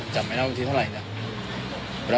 จำไม่ได้ตั้งที่เท่าไหร่นะ